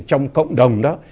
trong cộng đồng đó